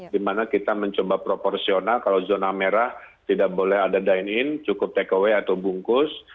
dimana kita mencoba proporsional kalau zona merah tidak boleh ada dine in cukup take away atau bungkus